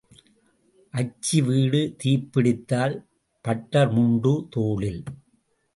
அச்சி வீடு தீப்பிடித்தால் பட்டர் முண்டு தோளில்.